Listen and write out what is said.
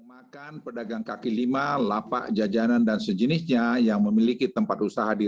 makan pedagang kaki lima lapak jajanan dan sejenisnya yang memiliki tempat usaha di